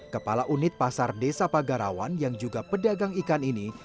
kepala unit pasar desa pagarawan yang juga pedagang ikan ini